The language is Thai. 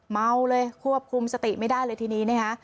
เมาเลยควบคุมสติไม่ได้เลยทีนี้นะคะ